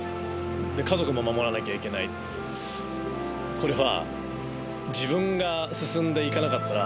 これは。